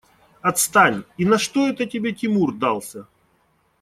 Отстань! И на что это тебе Тимур дался?